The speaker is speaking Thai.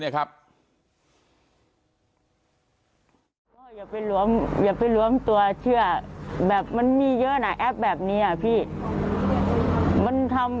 อย่าไปล้วมตัวเชื่อมันมีเยอะแอบแบบนี้